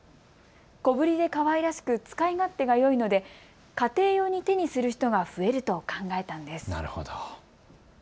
小ぶりでかわいらしく使い勝手がよいので家庭用に手にする人が増えると考えたんです。